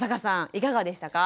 いかがでしたか？